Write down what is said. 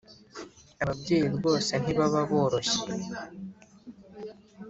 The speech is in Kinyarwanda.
ababyeyi rwose ntibaba boroshye